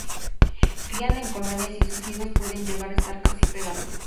Crían en colonias y sus nidos pueden llegar a estar casi pegados.